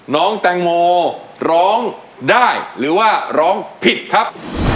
น้องแตงโมร้องได้หรือว่าร้องผิดครับ